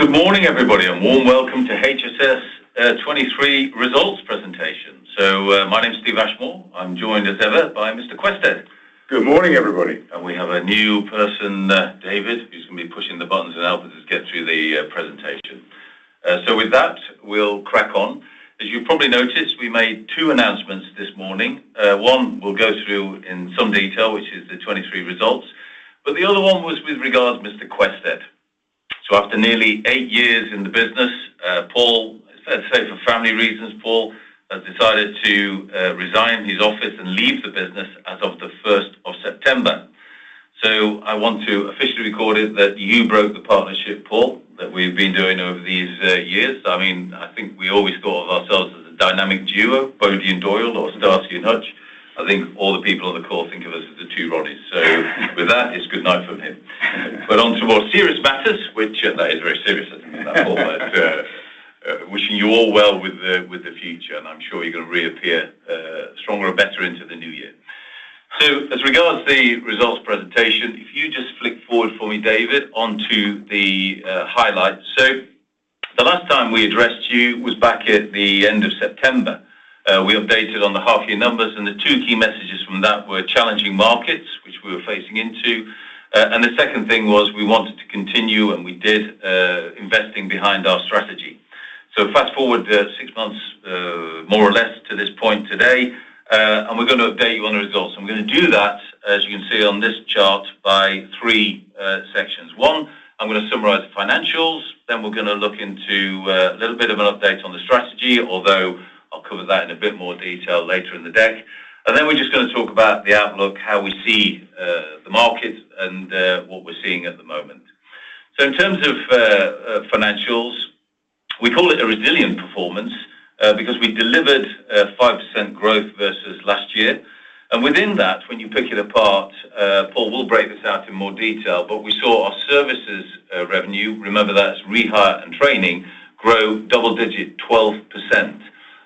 Well, good morning, everybody, and warm welcome to HSS 2023 Results Presentation. So, my name is Steve Ashmore. I'm joined, as ever, by Mr. Quested. Good morning, everybody. We have a new person, David, who's gonna be pushing the buttons and helping us get through the presentation. So with that, we'll crack on. As you probably noticed, we made two announcements this morning. One, we'll go through in some detail, which is the 2023 results, but the other one was with regards to Mr. Quested. So after nearly eight years in the business, Paul, let's say for family reasons, Paul has decided to resign his office and leave the business as of the 1st of September. So I want to officially record it that you broke the partnership, Paul, that we've been doing over these years. I mean, I think we always thought of ourselves as a dynamic duo, Bodie and Doyle or Starsky and Hutch. I think all the people on the call think of us as the Two Ronnies. With that, it's good night from him. On to more serious matters, which, and that is very serious, I think, Paul, but, wishing you all well with the future. And I'm sure you're gonna reappear stronger and better into the new year. As regards to the results presentation, if you just flick forward for me, David, on to the highlights. The last time we addressed you was back at the end of September. We updated on the half year numbers, and the two key messages from that were challenging markets, which we were facing into. And the second thing was we wanted to continue, and we did, investing behind our strategy. So fast-forward six months, more or less to this point today, and we're gonna update you on the results. I'm gonna do that, as you can see on this chart, by three sections. One, I'm gonna summarize the financials, then we're gonna look into a little bit of an update on the strategy, although I'll cover that in a bit more detail later in the deck. And then we're just gonna talk about the outlook, how we see the market and what we're seeing at the moment. So in terms of financials, we call it a resilient performance, because we delivered a 5% growth versus last year. Within that, when you pick it apart, Paul, we'll break this out in more detail, but we saw our services revenue, remember, that's rehire and training, grow double-digit 12%.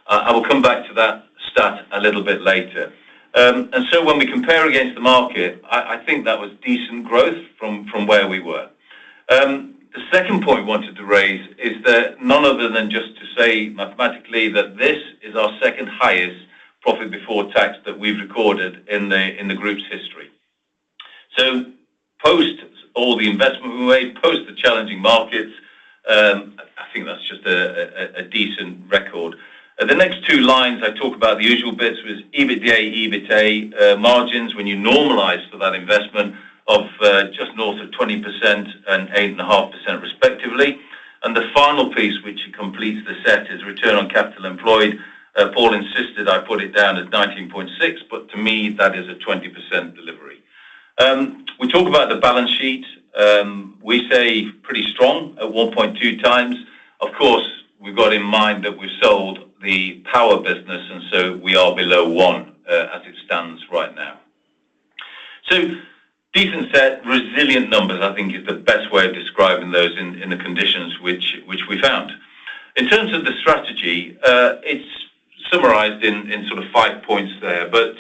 I will come back to that stat a little bit later. And so when we compare against the market, I think that was decent growth from where we were. The second point I wanted to raise is that none other than just to say mathematically, that this is our second highest Profit Before Tax that we've recorded in the group's history. So post all the investment we made, post the challenging markets, I think that's just a decent record. The next two lines, I talk about the usual bits, was EBITDA, EBITA, margins, when you normalize for that investment of, just north of 20% and 8.5%, respectively. And the final piece, which completes the set, is return on capital employed. Paul insisted I put it down as 19.6%, but to me, that is a 20% delivery. We talk about the balance sheet. We say pretty strong at 1.2x. Of course, we've got in mind that we sold the power business, and so we are below 1x, as it stands right now. So decent set, resilient numbers, I think is the best way of describing those in the conditions which we found. In terms of the strategy, it's summarized in, in sort of five points there, but,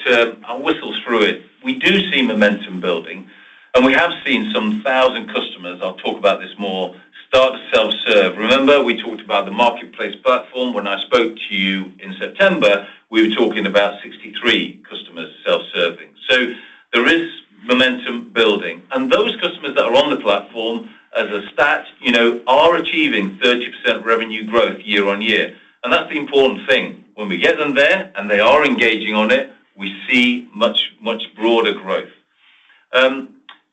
I'll whistle through it. We do see momentum building, and we have seen some thousand customers, I'll talk about this more, start to self-serve. Remember, we talked about the marketplace platform. When I spoke to you in September, we were talking about 63 customers self-serving. So there is momentum building, and those customers that are on the platform as a stat, you know, are achieving 30% revenue growth year-over-year. And that's the important thing. When we get them there, and they are engaging on it, we see much, much broader growth.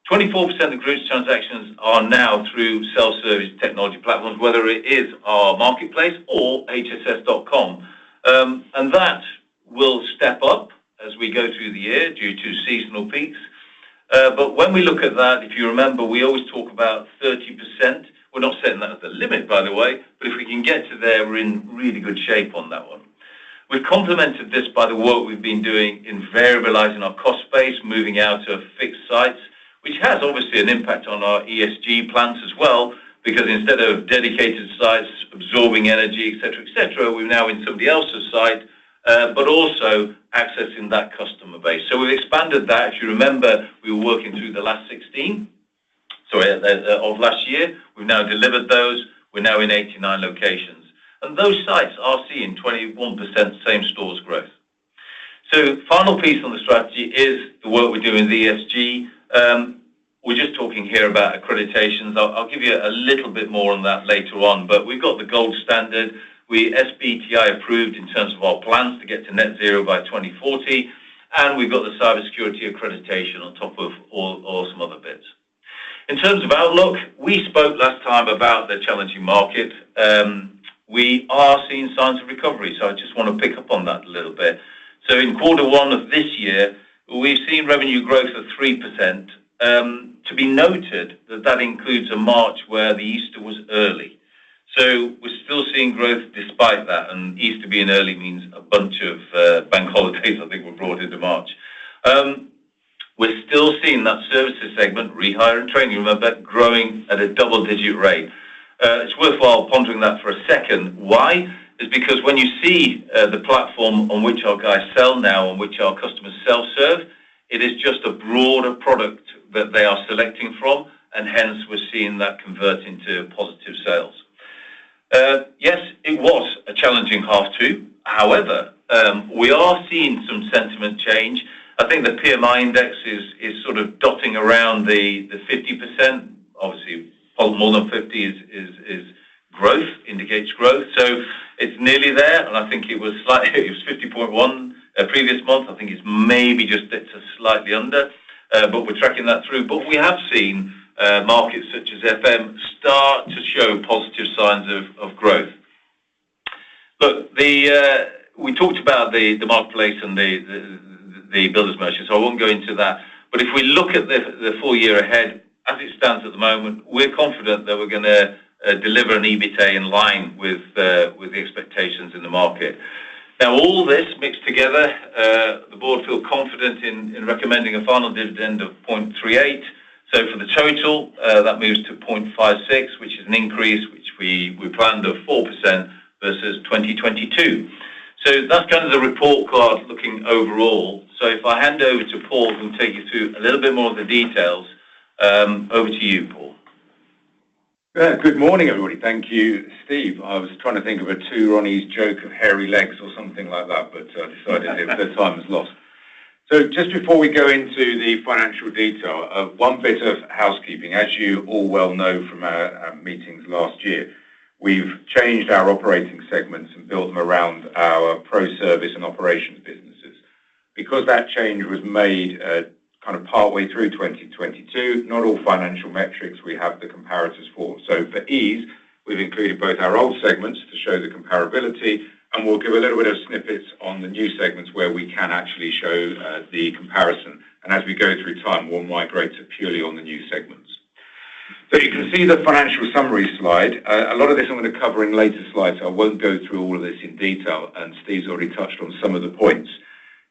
24% of group's transactions are now through self-service technology platforms, whether it is our marketplace or hss.com. And that will step up as we go through the year due to seasonal peaks. But when we look at that, if you remember, we always talk about 30%. We're not saying that as a limit, by the way, but if we can get to there, we're in really good shape on that one. We've complemented this by the work we've been doing in variabilizing our cost base, moving out of fixed sites, which has obviously an impact on our ESG plans as well, because instead of dedicated sites, absorbing energy, et cetera, et cetera, we're now in somebody else's site, but also accessing that customer base. So we've expanded that. If you remember, we were working through the last 16 of last year. We've now delivered those. We're now in 89 locations, and those sites are seeing 21% same stores growth. So final piece on the strategy is the work we do in the ESG. We're just talking here about accreditations. I'll give you a little bit more on that later on, but we've got the gold standard. We SBTi approved in terms of our plans to get to net zero by 2040, and we've got the cybersecurity accreditation on top of all, all some other bits. In terms of outlook, we spoke last time about the challenging market. We are seeing signs of recovery, so I just wanna pick up on that a little bit. So in quarter one of this year, we've seen revenue growth of 3%. To be noted, that that includes a March where the Easter was early. So we're still seeing growth despite that, and Easter being early means a bunch of bank holidays, I think, were brought into March. We're still seeing that services segment, rehire and training, remember, growing at a double-digit rate. It's worthwhile pondering that for a second. Why? Is because when you see the platform on which our guys sell now, on which our customers self-serve. It is just a broader product that they are selecting from, and hence we're seeing that convert into positive sales. Yes, it was a challenging half two. However, we are seeing some sentiment change. I think the PMI index is sort of dotting around the 50%. Obviously, more than 50% is growth, indicates growth. So it's nearly there, and I think it was slightly, it was 50.1% the previous month. I think it's maybe just bits of slightly under, but we're tracking that through. We have seen markets such as FM start to show positive signs of growth. Look, we talked about the marketplace and the builders merchant, so I won't go into that. If we look at the full year ahead, as it stands at the moment, we're confident that we're gonna deliver an EBITA in line with the expectations in the market. Now, all this mixed together, the board feel confident in recommending a final dividend of 0.38. So for the total, that moves to 0.56, which is an increase, which we planned a 4% versus 2022. So that's kind of the report card looking overall. So if I hand over to Paul, who will take you through a little bit more of the details, over to you, Paul. Good morning, everybody. Thank you, Steve. I was trying to think of a Two Ronnies joke of hairy legs or something like that, but I decided the time is lost. So just before we go into the financial detail, one bit of housekeeping. As you all well know from our meetings last year, we've changed our operating segments and built them around our ProService and Operations businesses. Because that change was made at kind of partway through 2022, not all financial metrics we have the comparators for. So for ease, we've included both our old segments to show the comparability, and we'll give a little bit of snippets on the new segments where we can actually show the comparison. And as we go through time, we'll migrate to purely on the new segments. So you can see the financial summary slide. A lot of this I'm gonna cover in later slides, so I won't go through all of this in detail, and Steve's already touched on some of the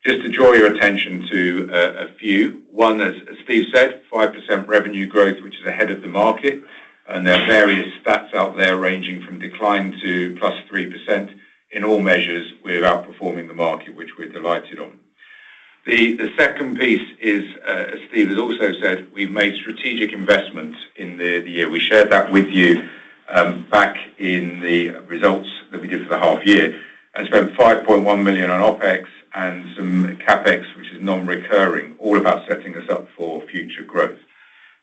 points. Just to draw your attention to a few. One, as Steve said, 5% revenue growth, which is ahead of the market, and there are various stats out there, ranging from decline to +3%. In all measures, we're outperforming the market, which we're delighted on. The second piece is, as Steve has also said, we've made strategic investments in the year. We shared that with you, back in the results that we did for the half year, and spent 5.1 million on OpEx and some CapEx, which is non-recurring, all about setting us up for future growth.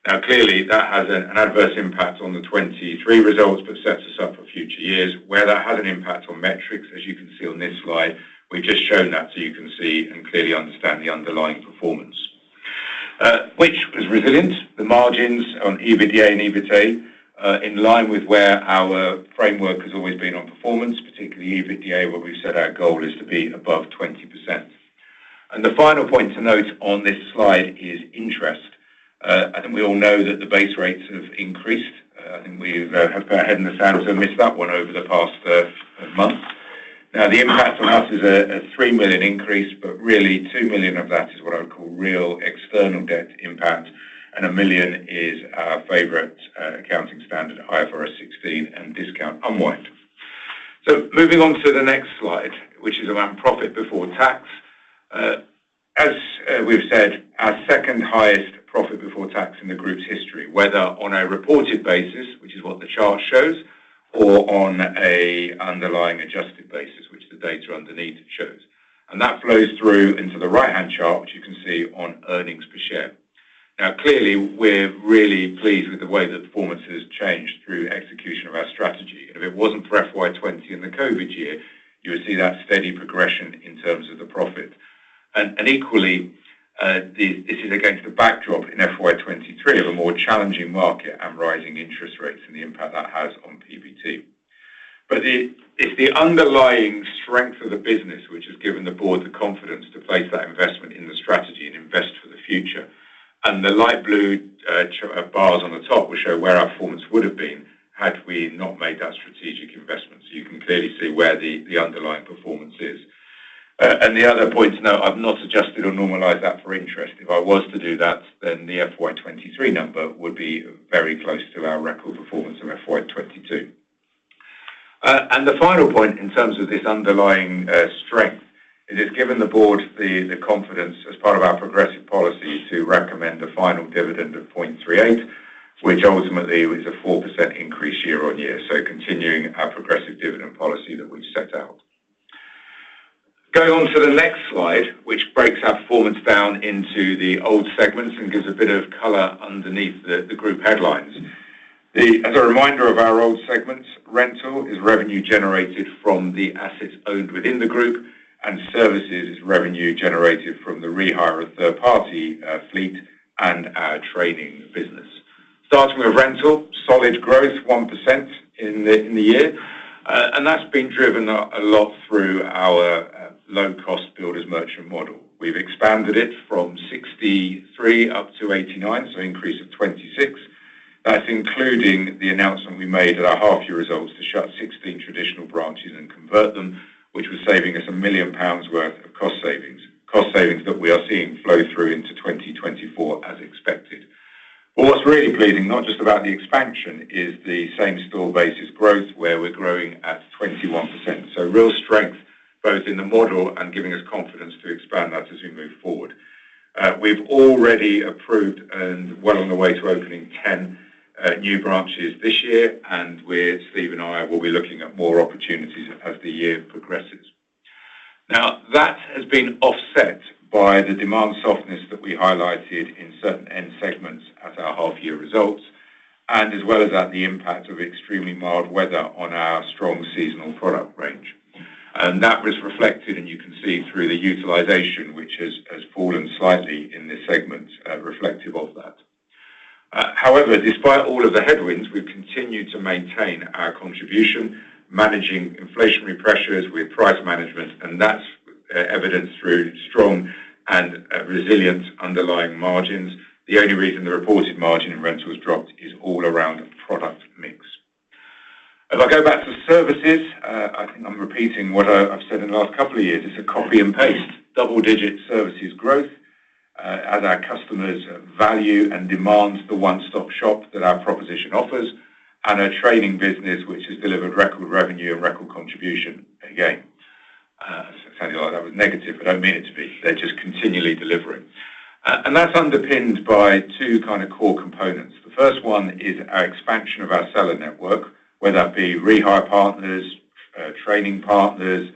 Now, clearly, that has an adverse impact on the 2023 results, but sets us up for future years. Where that had an impact on metrics, as you can see on this slide, we've just shown that so you can see and clearly understand the underlying performance, which was resilient. The margins on EBITDA and EBITA, in line with where our framework has always been on performance, particularly EBITDA, where we've said our goal is to be above 20%. And the final point to note on this slide is interest. I think we all know that the base rates have increased. I think we've had our head in the sand and missed that one over the past, month. Now, the impact on us is a 3 million increase, but really, 2 million of that is what I would call real external debt impact, and 1 million is our favorite accounting standard, IFRS 16, and discount unwind. So moving on to the next slide, which is around profit before tax. As we've said, our second-highest profit before tax in the group's history, whether on a reported basis, which is what the chart shows, or on an underlying adjusted basis, which the data underneath it shows. And that flows through into the right-hand chart, which you can see on earnings per share. Now, clearly, we're really pleased with the way the performance has changed through execution of our strategy. And if it wasn't for FY 2020 and the COVID year, you would see that steady progression in terms of the profit. And equally, this is against the backdrop in FY 2023 of a more challenging market and rising interest rates and the impact that has on PBT. But it's the underlying strength of the business which has given the board the confidence to place that investment in the strategy and invest for the future. And the light blue chart bars on the top will show where our performance would have been had we not made that strategic investment. So you can clearly see where the underlying performance is. And the other point to note, I've not adjusted or normalized that for interest. If I was to do that, then the FY 2023 number would be very close to our record performance of FY 2022. The final point in terms of this underlying strength, it has given the board the confidence, as part of our progressive policy, to recommend a final dividend of 0.38, which ultimately is a 4% increase year-on-year. Continuing our progressive dividend policy that we've set out. Going on to the next slide, which breaks our performance down into the old segments and gives a bit of color underneath the group headlines. As a reminder of our old segments, rental is revenue generated from the assets owned within the group, and services is revenue generated from the rehire of third-party fleet and our training business. Starting with rental, solid growth, 1% in the year, and that's been driven a lot through our low-cost builders merchant model. We've expanded it from 63 up to 89, so increase of 26. That's including the announcement we made at our half-year results to shut 16 traditional branches and convert them, which was saving us 1 million pounds worth of cost savings. Cost savings that we are seeing flow through into 2024 as expected. Well, what's really pleasing, not just about the expansion, is the same store basis growth, where we're growing at 21%. So real strength, both in the model and giving us confidence to expand that as we move forward. We've already approved and well on the way to opening 10 new branches this year, and we're, Steve and I, will be looking at more opportunities as the year progresses. Now, that has been offset by the demand softness that we highlighted in certain end segments at our half-year results, and as well as that, the impact of extremely mild weather on our strong seasonal product range. And that was reflected, and you can see through the utilization, which has fallen slightly in this segment, reflective of that. However, despite all of the headwinds, we've continued to maintain our contribution, managing inflationary pressures with price management, and that's evidenced through strong and resilient underlying margins. The only reason the reported margin in rentals dropped is all around product mix. If I go back to services, I think I'm repeating what I've said in the last couple of years. It's a copy and paste, double-digit services growth, as our customers value and demand the one-stop shop that our proposition offers, and our training business, which has delivered record revenue and record contribution again. It sounded like that was negative, I don't mean it to be. They're just continually delivering. And that's underpinned by two kind of core components. The first one is our expansion of our seller network, whether that be rehire partners, training partners,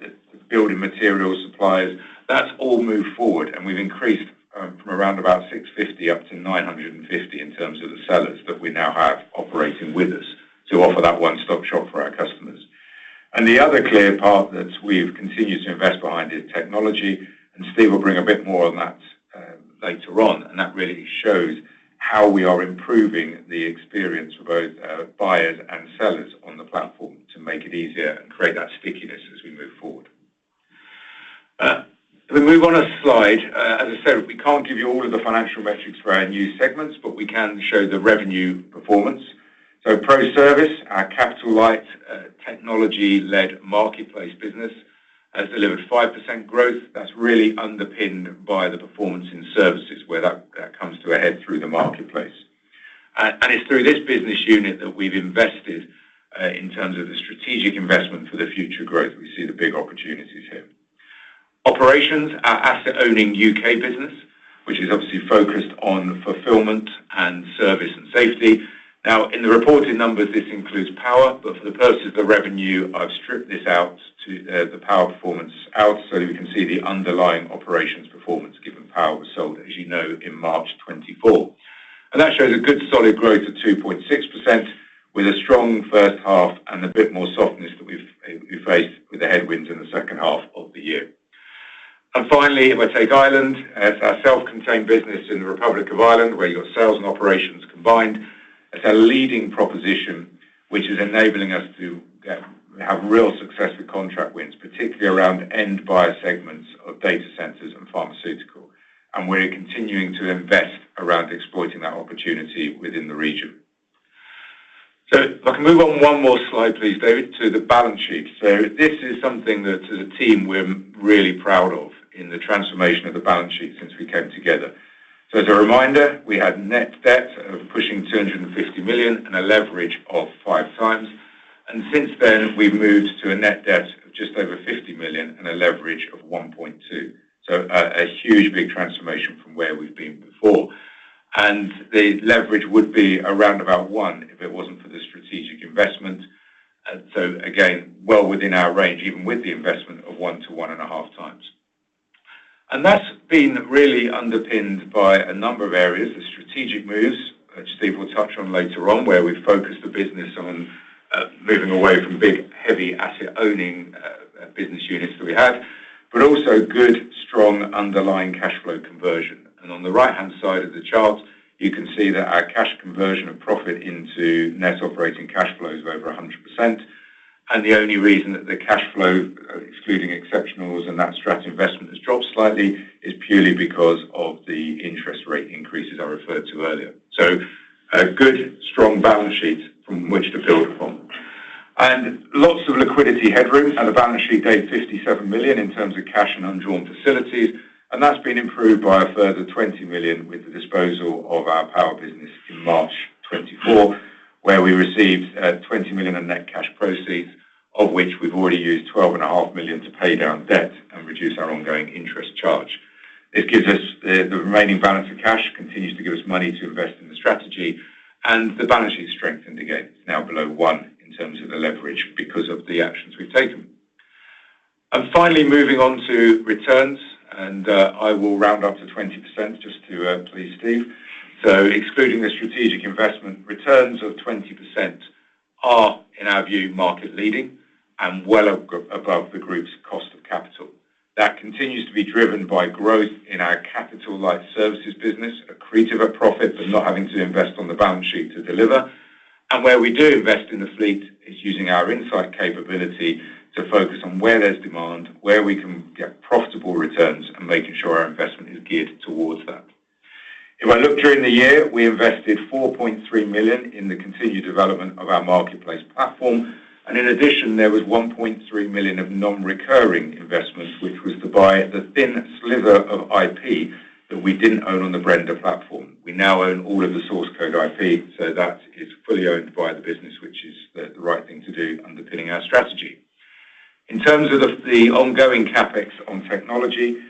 the building material suppliers. That's all moved forward, and we've increased, from around about 650 up to 950 in terms of the sellers that we now have operating with us to offer that one-stop shop for our customers. And the other clear part that we've continued to invest behind is technology, and Steve will bring a bit more on that, later on. That really shows how we are improving the experience for both, buyers and sellers on the platform to make it easier and create that stickiness as we move forward. If we move on a slide, as I said, we can't give you all of the financial metrics for our new segments, but we can show the revenue performance. ProService, our capital light, technology-led marketplace business, has delivered 5% growth. That's really underpinned by the performance in services, where that, that comes to a head through the marketplace. And it's through this business unit that we've invested, in terms of the strategic investment for the future growth, we see the big opportunities here. Operations, our asset-owning U.K. business, which is obviously focused on fulfillment and service and safety. Now, in the reported numbers, this includes power, but for the purposes of revenue, I've stripped this out to the power performance out, so we can see the underlying Operations performance, given power was sold, as you know, in March 2024. And that shows a good solid growth of 2.6% with a strong first half and a bit more softness that we've faced with the headwinds in the second half of the year. And finally, if I take Ireland, it's our self-contained business in the Republic of Ireland, where you've got sales and Operations combined. It's a leading proposition, which is enabling us to have real success with contract wins, particularly around end buyer segments of data centers and pharmaceutical. And we're continuing to invest around exploiting that opportunity within the region. So if I can move on one more slide, please, David, to the balance sheet. So this is something that as a team, we're really proud of in the transformation of the balance sheet since we came together. So as a reminder, we had net debt of pushing 250 million and a leverage of 5x. And since then, we've moved to a net debt of just over 50 million and a leverage of 1.2x. So a huge, big transformation from where we've been before. And the leverage would be around about 1x if it wasn't for the strategic investment. So again, well within our range, even with the investment of 1x-1.5x. That's been really underpinned by a number of areas, the strategic moves, which Steve will touch on later on, where we've focused the business on moving away from big, heavy asset owning business units that we had, but also good, strong underlying cash flow conversion. On the right-hand side of the chart, you can see that our cash conversion of profit into net operating cash flow is over 100%. The only reason that the cash flow, excluding exceptionals and that strat investment has dropped slightly, is purely because of the interest rate increases I referred to earlier. A good, strong balance sheet from which to build upon. And lots of liquidity headroom, and the balance sheet gave 57 million in terms of cash and undrawn facilities, and that's been improved by a further 20 million with the disposal of our power business in March 2024, where we received 20 million in net cash proceeds, of which we've already used 12.5 million to pay down debt and reduce our ongoing interest charge. This gives us the remaining balance of cash continues to give us money to invest in the strategy, and the balance sheet strengthened again. It's now below 1x in terms of the leverage because of the actions we've taken. And finally, moving on to returns, and I will round up to 20% just to please Steve. Excluding the strategic investment, returns of 20% are, in our view, market leading and well above the group's cost of capital. That continues to be driven by growth in our capital light services business, accretive at profit, but not having to invest on the balance sheet to deliver. And where we do invest in the fleet, it's using our insight capability to focus on where there's demand, where we can get profitable returns, and making sure our investment is geared towards that. If I look during the year, we invested 4.3 million in the continued development of our marketplace platform. In addition, there was 1.3 million of non-recurring investments, which was to buy the thin sliver of IP that we didn't own on the Brenda platform. We now own all of the source code IP, so that is fully owned by the business, which is the right thing to do, underpinning our strategy. In terms of the ongoing CapEx on technology,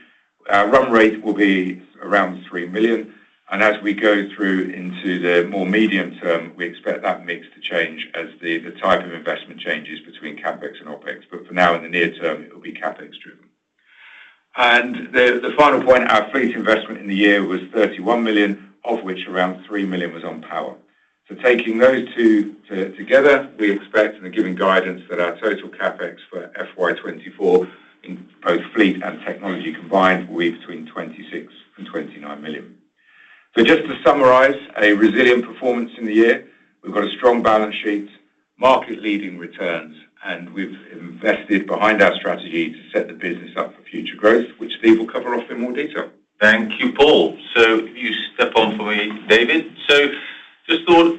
our run rate will be around 3 million, and as we go through into the more medium term, we expect that mix to change as the type of investment changes between CapEx and OpEx. But for now, in the near term, it will be CapEx driven. And the final point, our fleet investment in the year was 31 million, of which around 3 million was on power. So taking those two together, we expect, and we're giving guidance, that our total CapEx for FY 2024, in both fleet and technology combined, will be between 26 million and 29 million. So just to summarize, a resilient performance in the year. We've got a strong balance sheet, market-leading returns, and we've invested behind our strategy to set the business up for future growth, which Steve will cover off in more detail. Thank you, Paul. So if you step on for me, David. Just thought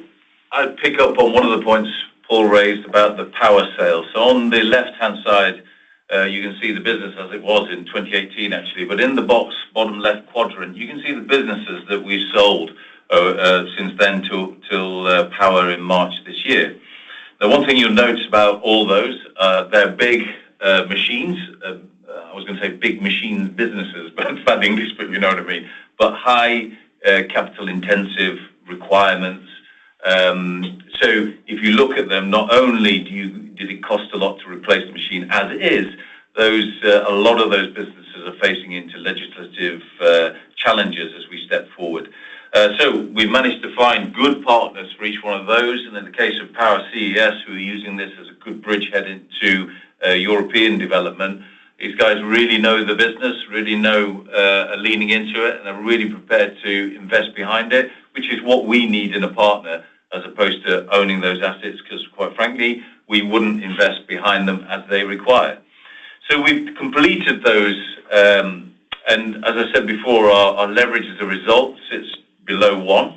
I'd pick up on one of the points Paul raised about the power sale. On the left-hand side, you can see the business as it was in 2018, actually, but in the box, bottom left quadrant, you can see the businesses that we've sold since then till power in March this year. The one thing you'll notice about all those, they're big machines. I was gonna say big machine businesses, but bad English, but you know what I mean. But high capital intensive requirements. So if you look at them, not only did it cost a lot to replace the machine, as is, those a lot of those businesses are facing into legislative challenges as we step forward. So we managed to find good partners for each one of those, and in the case of CES Power, who are using this as a good bridgehead into European development. These guys really know the business, really know, are leaning into it, and are really prepared to invest behind it, which is what we need in a partner, as opposed to owning those assets, 'cause quite frankly, we wouldn't invest behind them as they require. So we've completed those, and as I said before, our leverage as a result sits below one.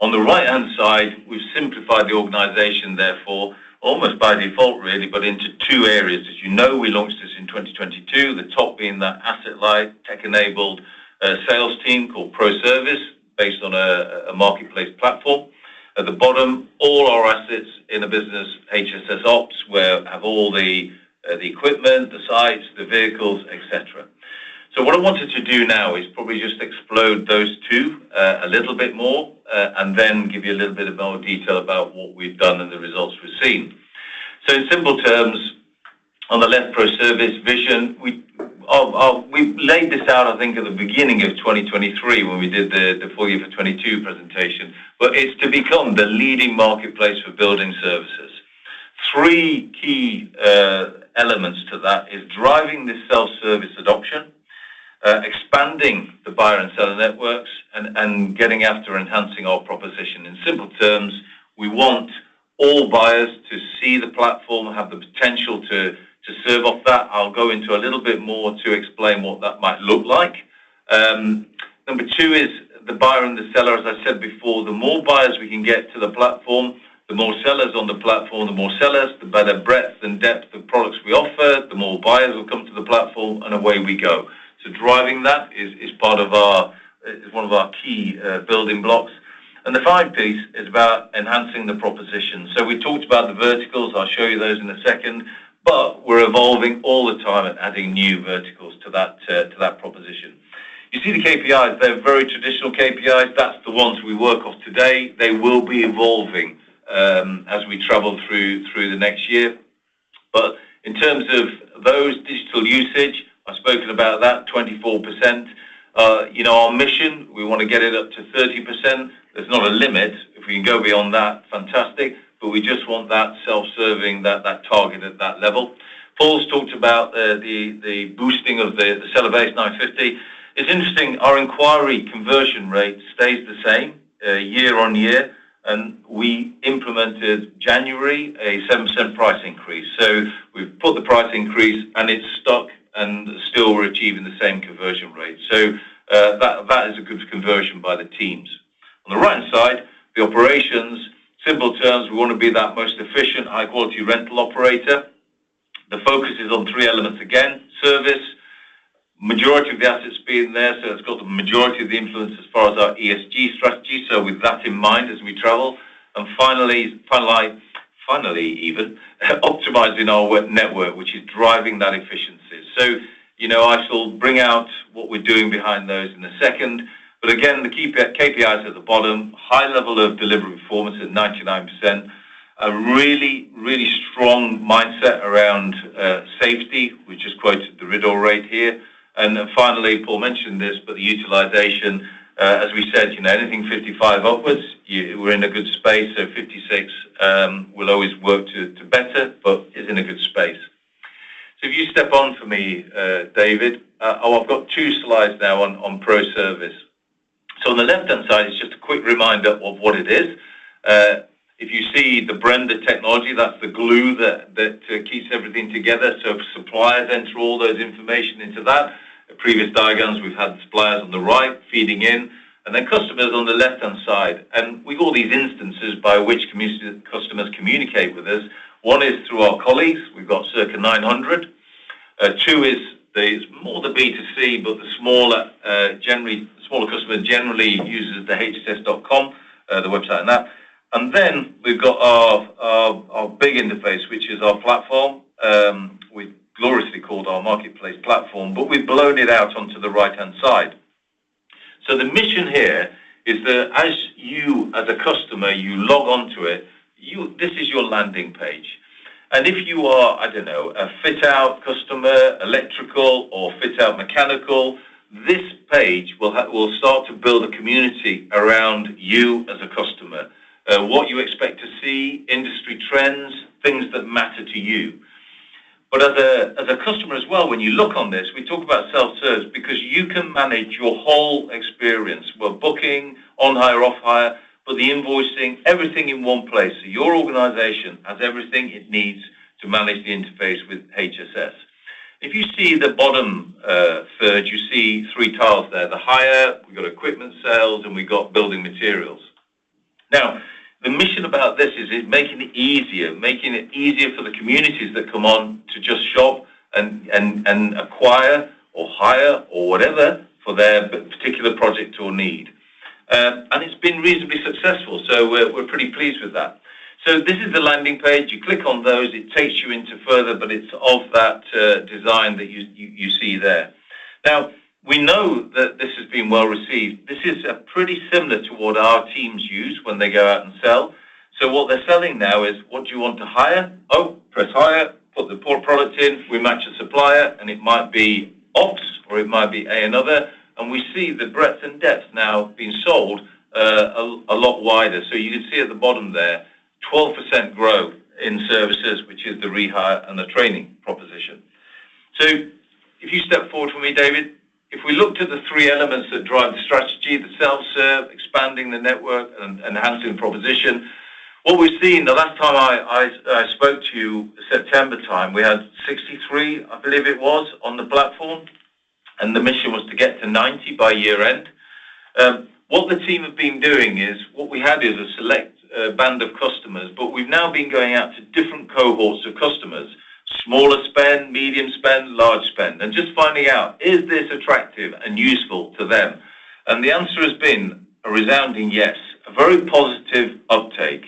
On the right-hand side, we've simplified the organization, therefore, almost by default, really, but into two areas. As you know, we launched this in 2022, the top being that asset-light, tech-enabled sales team called ProService, based on a marketplace platform. At the bottom, all our assets in the business, HSS Ops, where have all the, the equipment, the sites, the vehicles, et cetera. So what I wanted to do now is probably just explode those two, a little bit more, and then give you a little bit of more detail about what we've done and the results we've seen. So in simple terms, on the left, ProService vision, we laid this out, I think, at the beginning of 2023, when we did the, the full year for 2022 presentation, but it's to become the leading marketplace for building services. Three key elements to that is driving this self-service adoption, expanding the buyer and seller networks, and getting after enhancing our proposition. In simple terms, we want all buyers to see the platform and have the potential to serve off that. I'll go into a little bit more to explain what that might look like. Number two is the buyer and the seller. As I said before, the more buyers we can get to the platform, the more sellers on the platform, the more sellers, the better breadth and depth of products we offer, the more buyers will come to the platform, and away we go. So driving that is part of our is one of our key building blocks. And the final piece is about enhancing the proposition. So we talked about the verticals. I'll show you those in a second, but we're evolving all the time and adding new verticals to that proposition. You see the KPIs, they're very traditional KPIs. That's the ones we work off today. They will be evolving as we travel through the next year. But in terms of those digital usage, I've spoken about that, 24%. In our mission, we want to get it up to 30%. There's not a limit. If we can go beyond that, fantastic, but we just want that self-service, that target at that level. Paul's talked about the boosting of the seller base 950. It's interesting, our inquiry conversion rate stays the same year-on-year, and we implemented January a 7% price increase. So we've put the price increase, and it's stuck, and still we're achieving the same conversion rate. So that is a good conversion by the teams. On the right-hand side, the Operations, simple terms, we wanna be that most efficient, high-quality rental operator. The focus is on three elements again, service, majority of the assets being there, so it's got the majority of the influence as far as our ESG strategy, so with that in mind as we travel. And finally, finally, finally even, optimizing our web network, which is driving that efficiency. So you know, I shall bring out what we're doing behind those in a second. But again, then keep the KPIs at the bottom, high level of delivery performance at 99%. A really, really strong mindset around safety, which is quoted the RIDDOR rate here. And then finally, Paul mentioned this, but the utilization, as we said, you know, anything 55% upwards, we're in a good space, so 56%, will always work to, to better, but is in a good space. So if you step on for me, David, oh, I've got two slides now on ProService. So on the left-hand side is just a quick reminder of what it is. If you see the brand of technology, that's the glue that keeps everything together. So suppliers enter all those information into that. Previous diagrams, we've had suppliers on the right feeding in, and then customers on the left-hand side. And we've all these instances by which customers communicate with us. One is through our colleagues. We've got circa 900. Two is, it's more the B2C, but the smaller, generally, smaller customer generally uses the hss.com, the website and that. And then we've got our big interface, which is our platform, we've gloriously called our marketplace platform, but we've blown it out onto the right-hand side. So the mission here is that as you, as a customer, you log on to it. This is your landing page. And if you are, I don't know, a fit-out customer, electrical or fit-out mechanical, this page will start to build a community around you as a customer. What you expect to see, industry trends, things that matter to you. But as a customer as well, when you look on this, we talk about self-service because you can manage your whole experience. We're booking, on hire, off hire, for the invoicing, everything in one place. So your organization has everything it needs to manage the interface with HSS. If you see the bottom third, you see three tiles there. The hire, we've got equipment sales, and we've got building materials. Now, the mission about this is it making it easier, making it easier for the communities that come on to just shop and acquire or hire or whatever, for their particular project or need. And it's been reasonably successful, so we're pretty pleased with that. So this is the landing page. You click on those, it takes you into further, but it's of that design that you see there. Now, we know that this has been well-received. This is pretty similar to what our teams use when they go out and sell. So what they're selling now is: What do you want to hire? Oh, press hire, put the poor product in, we match the supplier, and it might be ops, or it might be another. And we see the breadth and depth now being sold a lot wider. So you can see at the bottom there, 12% growth in services, which is the rehire and the training proposition. So if you step forward for me, David, if we looked at the three elements that drive the strategy, the self-serve, expanding the network and enhancing the proposition. What we've seen the last time I spoke to you, September time, we had 63, I believe it was, on the platform, and the mission was to get to 90 by year end. What the team have been doing is, what we had is a select band of customers, but we've now been going out to different cohorts of customers, smaller spend, medium spend, large spend, and just finding out, is this attractive and useful to them? And the answer has been a resounding yes, a very positive uptake.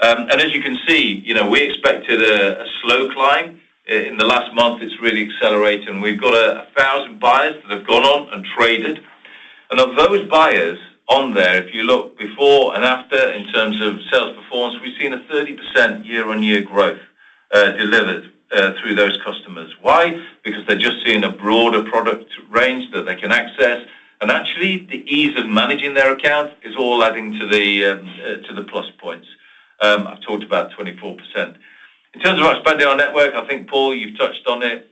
As you can see, you know, we expected a slow climb. In the last month, it's really accelerating. We've got 1,000 buyers that have gone on and traded. And of those buyers on there, if you look before and after in terms of sales performance, we've seen a 30% year-on-year growth, delivered through those customers. Why? Because they're just seeing a broader product range that they can access, and actually, the ease of managing their accounts is all adding to the plus points. I've talked about 24%. In terms of expanding our network, I think, Paul, you've touched on it.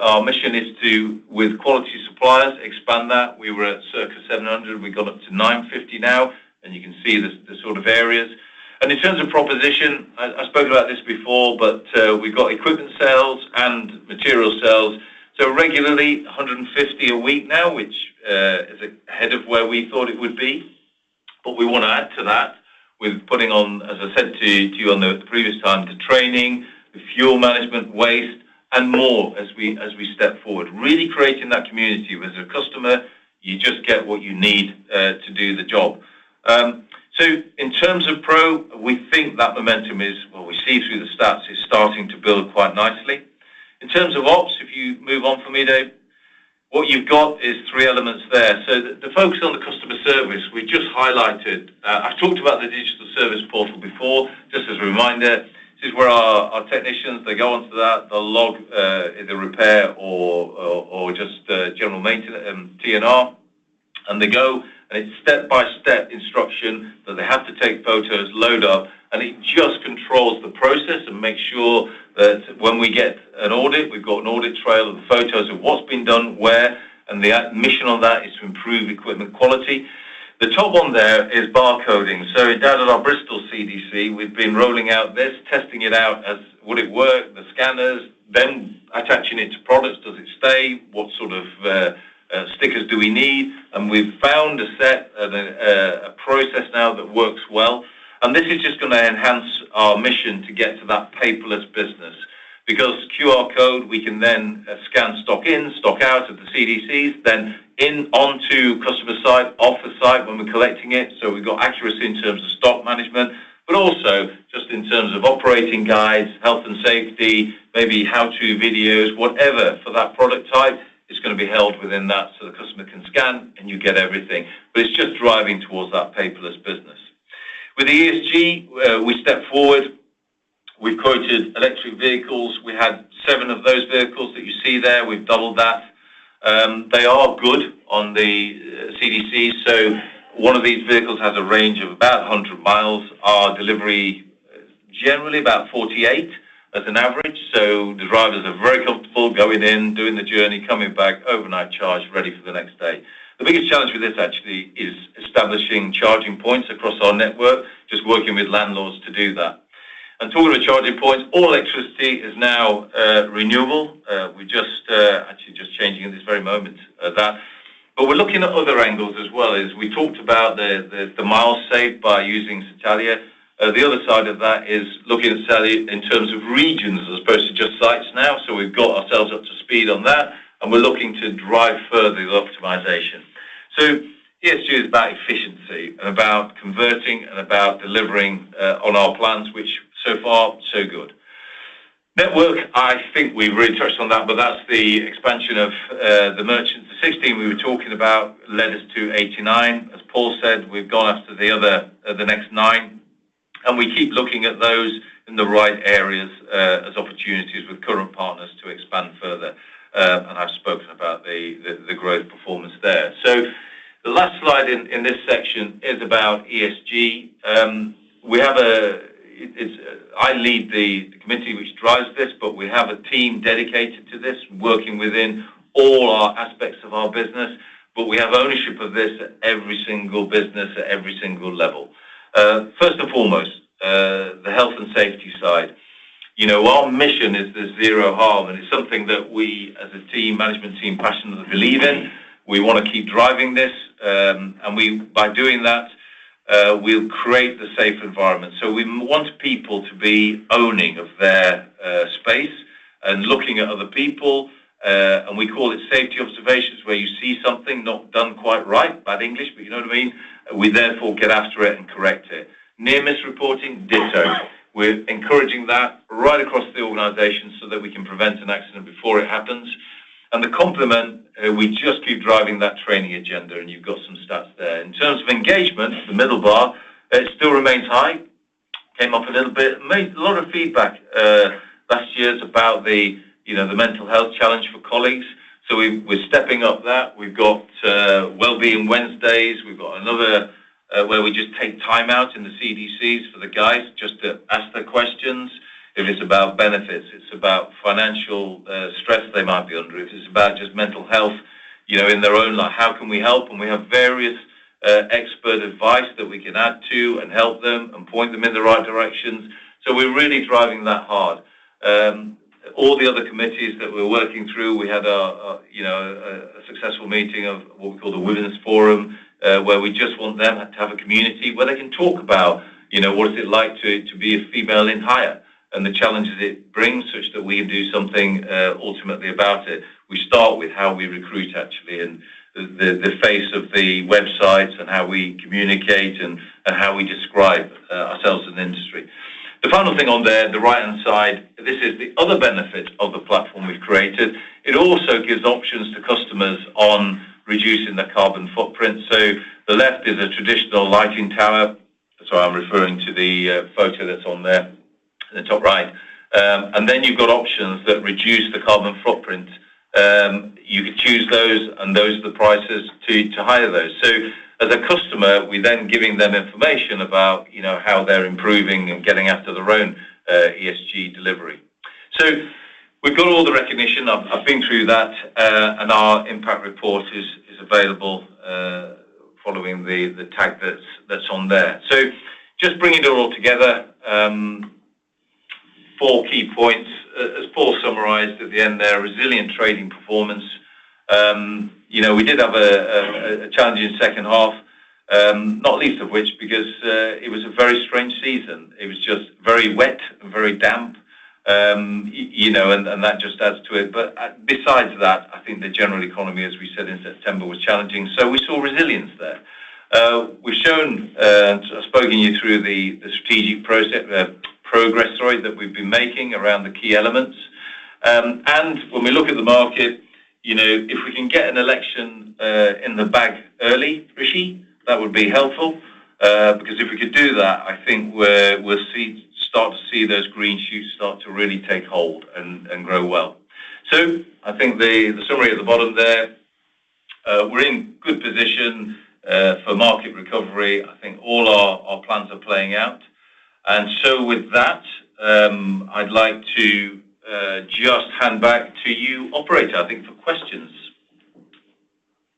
Our mission is to, with quality suppliers, expand that. We were at circa 700, and we got up to 950 now, and you can see the sort of areas. In terms of proposition, I spoke about this before, but we've got equipment sales and material sales. So regularly, 150 a week now, which is ahead of where we thought it would be. But we wanna add to that with putting on, as I said to you on the previous time, the training, the fuel management waste, and more as we step forward. Really creating that community as a customer, you just get what you need to do the job. So in terms of pro, we think that momentum is... Well, we see through the stats, it's starting to build quite nicely. In terms of ops, if you move on for me, Dave, what you've got is three elements there. The focus on the customer service we just highlighted. I've talked about the digital service portal before. Just as a reminder, this is where our technicians go onto that. They'll log either repair or just general maintenance, T&R, and they go. And it's step-by-step instruction that they have to take photos, load up, and it just controls the process and makes sure that when we get an audit, we've got an audit trail of the photos of what's been done, where, and the ambition on that is to improve equipment quality. The top one there is bar coding. So down in our Bristol CDC, we've been rolling out this, testing it out as would it work, the scanners, then attaching it to products. Does it stay? What sort of stickers do we need? We've found a process now that works well. This is just gonna enhance our mission to get to that paperless business. Because QR code, we can then scan stock in, stock out at the CDCs, then in onto customer site, off the site when we're collecting it, so we've got accuracy in terms of stock management, but also just in terms of operating guides, health and safety, maybe how-to videos, whatever for that product type, is gonna be held within that so the customer can scan, and you get everything. But it's just driving towards that paperless business. With ESG, we step forward. We've quoted electric vehicles. We had 7seven of those vehicles that you see there. We've doubled that. They are good on the CDCs, so one of these vehicles has a range of about 100 miles. Our delivery, generally, about 48 as an average, so the drivers are very comfortable going in, doing the journey, coming back, overnight charge, ready for the next day. The biggest challenge with this actually is establishing charging points across our network, just working with landlords to do that, and total charging points, all electricity is now renewable. We just actually just changing at this very moment that. But we're looking at other angles as well, as we talked about the miles saved by using Satalia. The other side of that is looking at Satalia in terms of regions, as opposed to just sites now. So we've got ourselves up to speed on that, and we're looking to drive further the optimization. So ESG is about efficiency and about converting and about delivering on our plans, which so far, so good. Network, I think we've really touched on that, but that's the expansion of the merchant. The 16 we were talking about led us to 89. As Paul said, we've gone after the other, the next nine, and we keep looking at those in the right areas, as opportunities with current partners to expand further. And I've spoken about the growth performance there. So the last slide in this section is about ESG. We have a. It's, I lead the committee which drives this, but we have a team dedicated to this, working within all our aspects of our business. But we have ownership of this at every single business, at every single level. First and foremost, the health and safety side. You know, our mission is the zero harm, and it's something that we, as a team, management team, passionately believe in. We wanna keep driving this, and we, by doing that, we'll create the safe environment. So we want people to be owning of their space and looking at other people. And we call it safety observations, where you see something not done quite right, bad English, but you know what I mean? We therefore get after it and correct it. Near-miss reporting, ditto. We're encouraging that right across the organization so that we can prevent an accident before it happens. And the complement, we just keep driving that training agenda, and you've got some stats there. In terms of engagement, the middle bar, it still remains high. Came off a little bit. Made a lot of feedback, last year's about the, you know, the mental health challenge for colleagues. So we're stepping up that. We've got Wellbeing Wednesdays. We've got another where we just take time out in the CDCs for the guys just to ask the questions. If it's about benefits, it's about financial stress they might be under. If it's about just mental health, you know, in their own life, how can we help? And we have various expert advice that we can add to and help them and point them in the right directions. So we're really driving that hard. All the other committees that we're working through, we had, you know, a successful meeting of what we call the Women's Forum, where we just want them to have a community where they can talk about, you know, what is it like to be a female in hire, and the challenges it brings, such that we do something ultimately about it. We start with how we recruit actually, and the face of the websites and how we communicate and how we describe ourselves in the industry. The final thing on there, the right-hand side, this is the other benefit of the platform we've created. It also gives options to customers on reducing their carbon footprint. So the left is a traditional lighting tower. Sorry, I'm referring to the photo that's on there, in the top right. And then you've got options that reduce the carbon footprint. You could choose those, and those are the prices to hire those. So as a customer, we're then giving them information about, you know, how they're improving and getting after their own ESG delivery. So we've got all the recognition. I've been through that, and our impact report is available, following the tag that's on there. So just bringing it all together, four key points. As Paul summarized at the end there, resilient trading performance. You know, we did have a challenging second half, not least of which, because it was a very strange season. It was just very wet and very damp. You know, and that just adds to it. But, besides that, I think the general economy, as we said in September, was challenging, so we saw resilience there. We've shown you through the strategic progress, sorry, that we've been making around the key elements. When we look at the market, you know, if we can get an election in the bag early, Rishi, that would be helpful. Because if we could do that, I think we'll start to see those green shoots start to really take hold and grow well. So I think the summary at the bottom there, we're in good position for market recovery. I think all our plans are playing out. And so with that, I'd like to just hand back to you, operator, I think, for questions.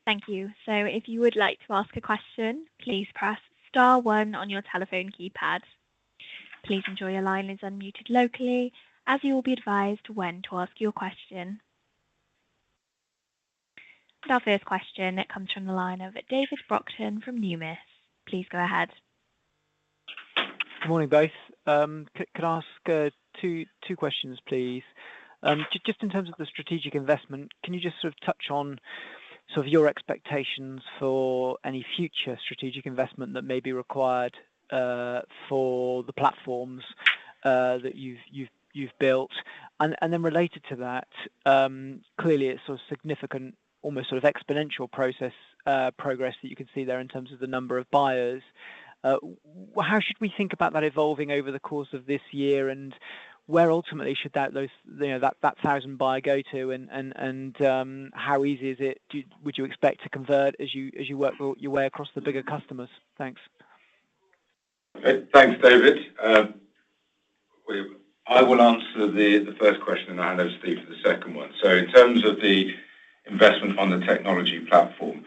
Thank you. So if you would like to ask a question, please press star one on your telephone keypad. Please ensure your line is unmuted locally, as you will be advised when to ask your question. So our first question. It comes from the line of David Brockton from Numis. Please go ahead. Good morning, both. Could I ask two questions, please? Just in terms of the strategic investment, can you just sort of touch on sort of your expectations for any future strategic investment that may be required for the platforms that you've built? And then related to that, clearly, it's a significant, almost sort of exponential process, progress that you can see there in terms of the number of buyers. How should we think about that evolving over the course of this year, and where ultimately should that, those, you know, that thousand buyer go to, and how easy is it, would you expect to convert as you work your way across the bigger customers? Thanks. Okay. Thanks, David. I will answer the first question, and I'll hand over to Steve for the second one. So in terms of the investment on the technology platform.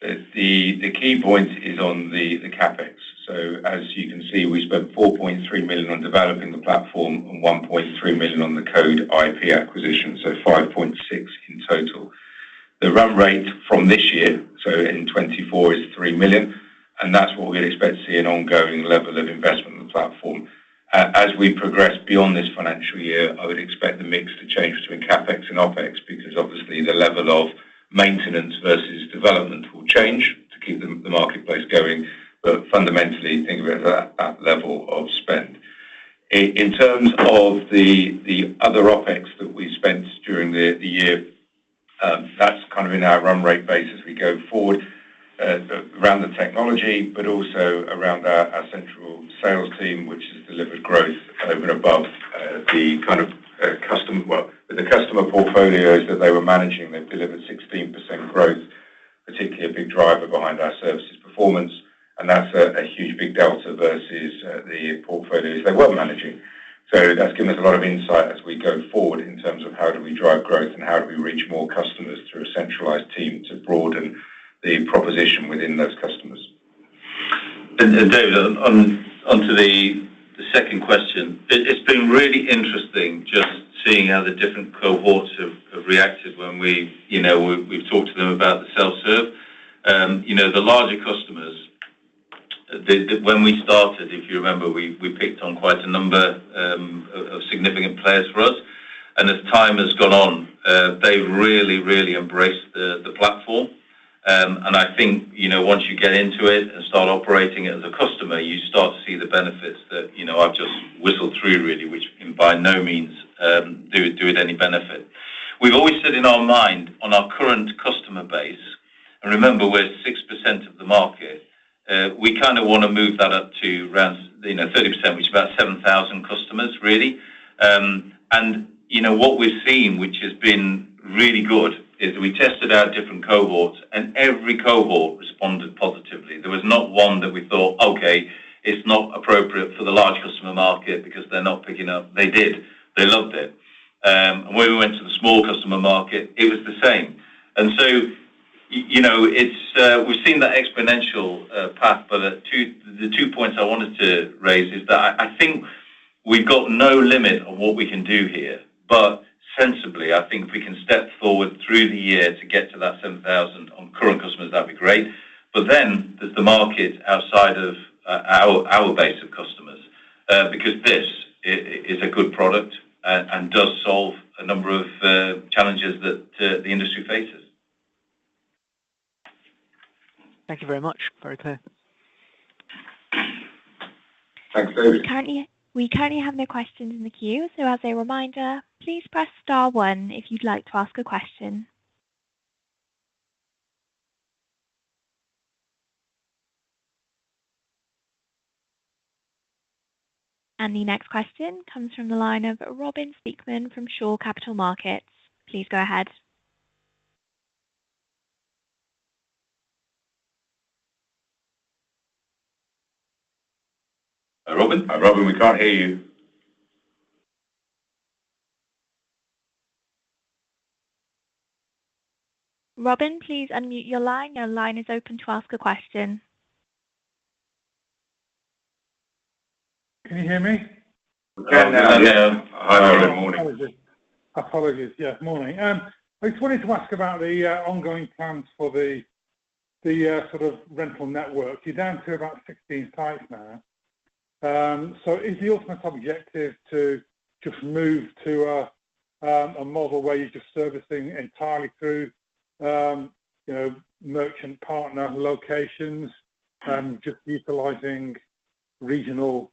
The key point is on the CapEx. So as you can see, we spent 4.3 million on developing the platform and 1.3 million on the code IP acquisition, so 5.6 million in total. The run rate from this year, so in 2024, is 3 million, and that's what we'd expect to see an ongoing level of investment in the platform. As we progress beyond this financial year, I would expect the mix to change between CapEx and OpEx, because obviously the level of maintenance versus development will change to keep the marketplace going. But fundamentally, think of it at that level of spend. In terms of the other OpEx that we spent during the year, that's kind of in our run rate base as we go forward, around the technology, but also around our central sales team, which has delivered growth over and above the kind of customer portfolios that they were managing, they've delivered 16% growth, particularly a big driver behind our services performance, and that's a huge big delta versus the portfolios they were managing. So that's given us a lot of insight as we go forward in terms of how do we drive growth and how do we reach more customers through a centralized team to broaden the proposition within those customers. David, onto the second question, it's been really interesting just seeing how the different cohorts have reacted when we, you know, we've talked to them about the self-serve. You know, the larger customers. When we started, if you remember, we picked on quite a number of significant players for us. And as time has gone on, they've really embraced the platform. And I think, you know, once you get into it and start operating it as a customer, you start to see the benefits that, you know, I've just whistled through, really, which by no means do it any benefit. We've always said in our mind, on our current customer base, and remember, we're 6% of the market. We kinda wanna move that up to around, you know, 30%, which is about 7,000 customers, really. And you know, what we've seen, which has been really good, is we tested out different cohorts, and every cohort responded positively. There was not one that we thought, "Okay, it's not appropriate for the large customer market because they're not picking up." They did. They loved it. When we went to the small customer market, it was the same. And so, you know, we've seen that exponential path. But the two, the two points I wanted to raise is that I, I think we've got no limit on what we can do here. But sensibly, I think if we can step forward through the year to get to that 7,000 on current customers, that'd be great. But then, there's the market outside of our base of customers, because this is a good product, and does solve a number of challenges that the industry faces. Thank you very much. Very clear. Thanks, David. We currently have no questions in the queue, so as a reminder, please press star one if you'd like to ask a question. The next question comes from the line of Robin Speakman from Shore Capital Markets. Please go ahead. Hi, Robin. Hi, Robin, we can't hear you. Robin, please unmute your line. Your line is open to ask a question. Can you hear me? We can now. Hi, Robin. Morning. Apologies. Yeah, morning. I just wanted to ask about the ongoing plans for the sort of rental network. You're down to about 16 sites now. So is the ultimate objective to just move to a model where you're just servicing entirely through you know, merchant partner locations, just utilizing regional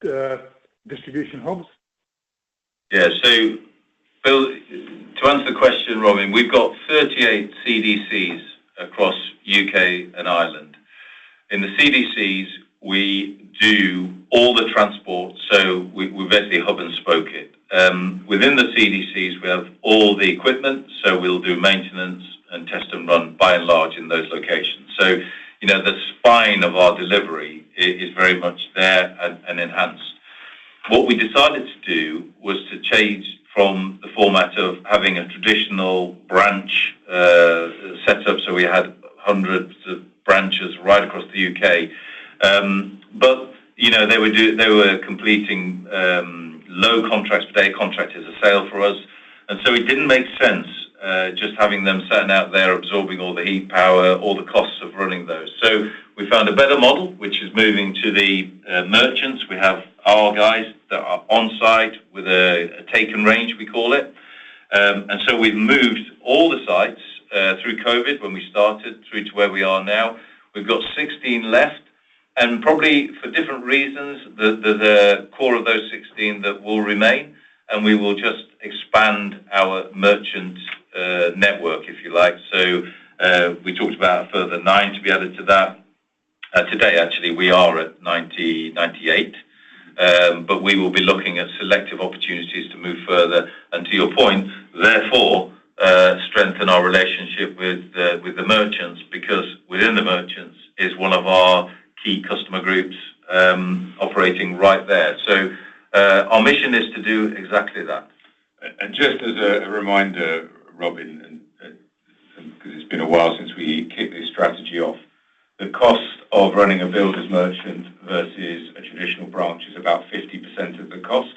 distribution hubs? Yeah. So to answer the question, Robin, we've got 38 CDCs across UK and Ireland. In the CDCs, we do all the transport, so we're basically hub and spoke it. Within the CDCs, we have all the equipment, so we'll do maintenance and test and run, by and large, in those locations. So you know, the spine of our delivery is very much there and enhanced. What we decided to do was to change from the format of having a traditional branch set up, so we had hundreds of branches right across the UK. But you know, they were completing low contracts per day, contract as a sale for us. And so it didn't make sense, just having them sitting out there, absorbing all the heat, power, all the costs of running those. So we found a better model, which is moving to the merchants. We have our guys that are on-site with a token range, we call it. And so we've moved all the sites through COVID, when we started, through to where we are now. We've got 16 left, and probably for different reasons, the core of those 16 that will remain, and we will just expand our merchant network, if you like. So we talked about a further nine to be added to that. Today, actually, we are at 90, 98. But we will be looking at selective opportunities to move further, and to your point, therefore, strengthen our relationship with the merchants, because within the merchants is one of our key customer groups operating right there. So our mission is to do exactly that. Just as a reminder, Robin, 'cause it's been a while since we kicked this strategy off, the cost of running a builders' merchant versus a traditional branch is about 50% of the cost,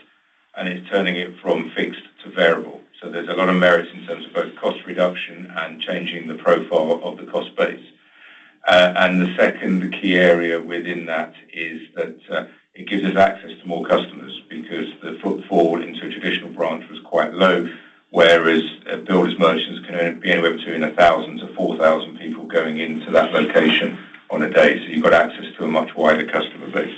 and it's turning it from fixed to variable. So there's a lot of merits in terms of both cost reduction and changing the profile of the cost base. And the second key area within that is that it gives us access to more customers because the footfall into a traditional branch was quite low, whereas builders' merchants can be anywhere between 1,000-4,000 people going into that location on a day. So you've got access to a much wider customer base.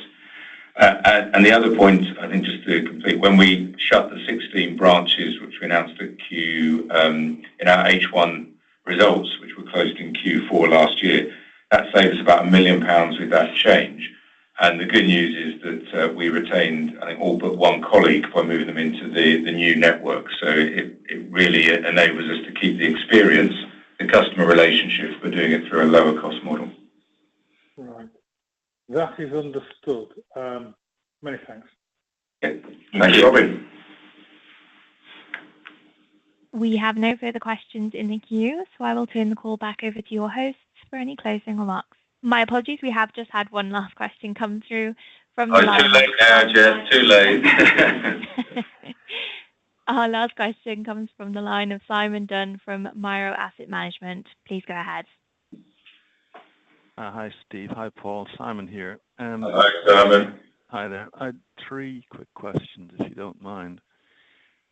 And the other point, I think just to complete, when we shut the 16 branches, which we announced at Q1 in our H1 results, which were closed in Q4 last year, that saved us about 1 million pounds with that change. The good news is that we retained, I think, all but one colleague by moving them into the new network. So it really enables us to keep the experience, the customer relationships, but doing it through a lower cost model. Right. That is understood. Many thanks. Okay. Thank you, Robin. We have no further questions in the queue, so I will turn the call back over to your hosts for any closing remarks. My apologies, we have just had one last question come through from the line- It's too late now, Jess, too late. Our last question comes from the line of Simon Dunne from Miro Asset Management. Please go ahead. Hi, Steve. Hi, Paul. Simon here. Hi, Simon. Hi there. I had three quick questions, if you don't mind.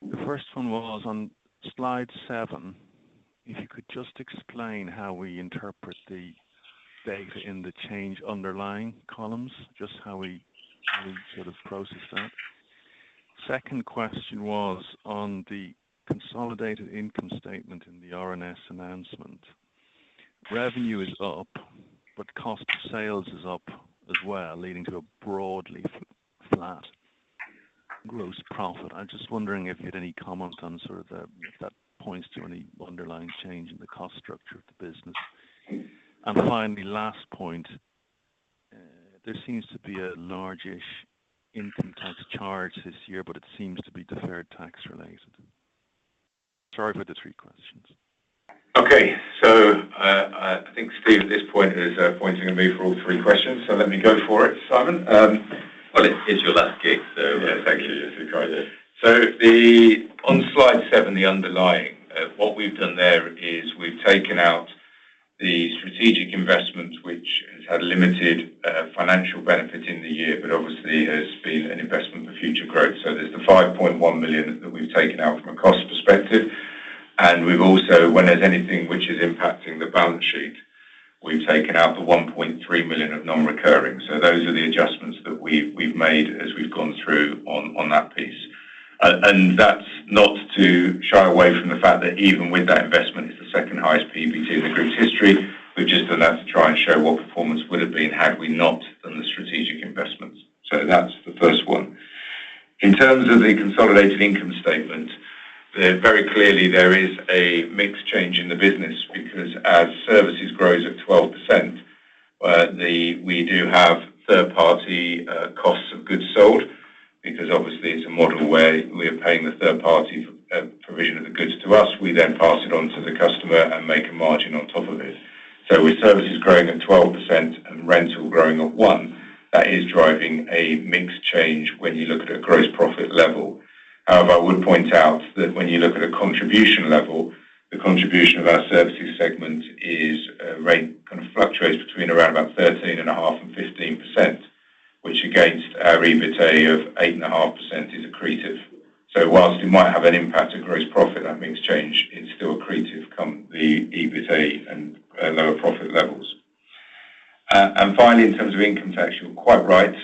The first one was on Slide 7. If you could just explain how we interpret the data in the change underlying columns, just how we, how we sort of process that. Second question was on the consolidated income statement in the RNS announcement. Revenue is up, but cost of sales is up as well, leading to a broadly flat gross profit. I'm just wondering if you had any comment on sort of the, if that points to any underlying change in the cost structure of the business. And finally, last point, there seems to be a large-ish income tax charge this year, but it seems to be deferred tax related. Sorry for the three questions. Okay. So, I think Steve at this point is pointing at me for all three questions, so let me go for it, Simon. Well, it's your last gig, so yeah, thank you. Yes, we got it. So on Slide 7, the underlying, what we've done there is we've taken out the strategic investment, which has had limited financial benefit in the year, but obviously has been an investment for future growth. So there's the 5.1 million that we've taken out from a cost perspective, and we've also, when there's anything which is impacting the balance sheet, we've taken out the 1.3 million of non-recurring. So those are the adjustments that we've made as we've gone through on that piece. And that's not to shy away from the fact that even with that investment, it's the second highest PBT in the group's history. We've just done that to try and show what performance would have been had we not done the strategic investments. So that's the first one. In terms of the consolidated income statement, there very clearly there is a mix change in the business because as services grows at 12%, the, we do have third-party, costs of goods sold, because obviously it's a model where we are paying the third party, provision of the goods to us. We then pass it on to the customer and make a margin on top of it. So with services growing at 12% and rental growing at 1%, that is driving a mix change when you look at a gross profit level. However, I would point out that when you look at a contribution level, the contribution of our services segment is, range, kind of fluctuates between around about 13.5% and 15%, which against our EBITA of 8.5% is accretive. So whilst it might have an impact on gross profit, that means change is still accretive come the EBITA and lower profit levels. And finally, in terms of income tax, you're quite right.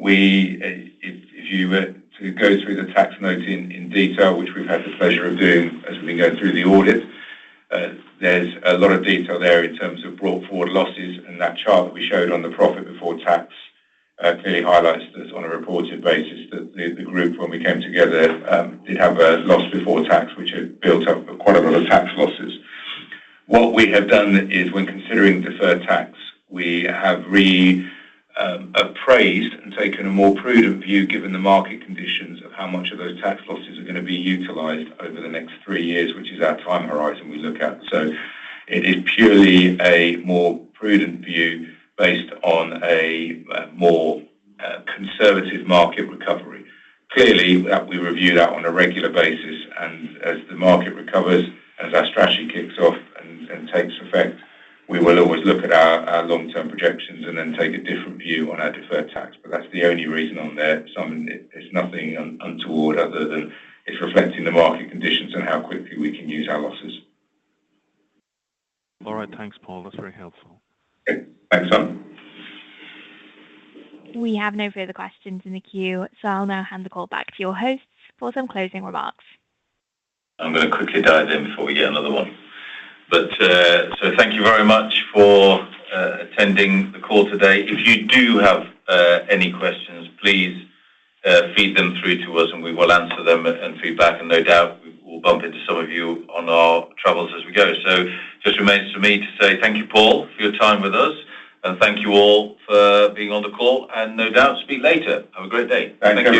We, if you were to go through the tax note in detail, which we've had the pleasure of doing as we've been going through the audit, there's a lot of detail there in terms of brought forward losses, and that chart that we showed on the profit before tax clearly highlights this on a reported basis, that the group, when we came together, did have a loss before tax, which had built up quite a lot of tax losses. What we have done is when considering deferred tax, we have reappraised and taken a more prudent view, given the market conditions, of how much of those tax losses are gonna be utilized over the next three years, which is our time horizon we look at. So it is purely a more prudent view based on a more conservative market recovery. Clearly, that we review that on a regular basis, and as the market recovers, as our strategy kicks off and takes effect, we will always look at our long-term projections and then take a different view on our deferred tax. But that's the only reason on there, Simon. It's nothing untoward other than it's reflecting the market conditions and how quickly we can use our losses. All right. Thanks, Paul. That's very helpful. Okay. Thanks, Simon. We have no further questions in the queue, so I'll now hand the call back to your hosts for some closing remarks. I'm gonna quickly dive in before we get another one. So thank you very much for attending the call today. If you do have any questions, please feed them through to us, and we will answer them and feed back. No doubt, we will bump into some of you on our travels as we go. It just remains for me to say thank you, Paul, for your time with us, and thank you all for being on the call, and no doubt, speak later. Have a great day. Thank you.